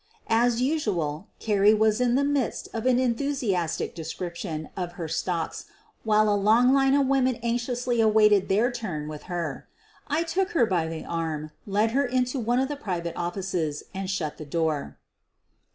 As usual Carrie was in the midst of an enthusias tic description of her stocks while a long line of women anxiously awaited their turn with her. I took her by the arm, led her into one of the private offices, and shut the door.